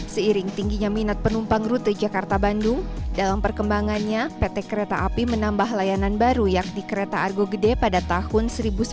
seiring tingginya minat penumpang rute jakarta bandung dalam perkembangannya pt kereta api menambah layanan baru yakni kereta argo gede pada tahun seribu sembilan ratus sembilan puluh